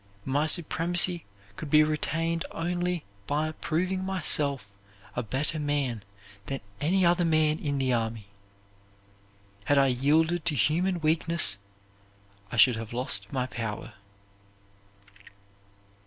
My supremacy could be retained only by proving myself a better man than any other man in the army. Had I yielded to human weakness, I should have lost my power."